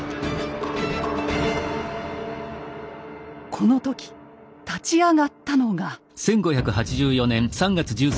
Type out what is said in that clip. この時立ち上がったのが。